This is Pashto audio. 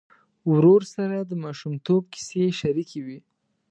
ورور سره د ماشومتوب کیسې شريکې وې.